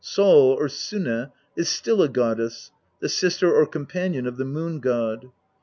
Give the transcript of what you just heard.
Sol or Sunne is still a goddess, the sister or companion of the Moon god.